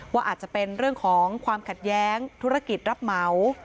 ว่าอาจจะเป็นเรื่องของความขัดแย้งธุรกิจรับเหมา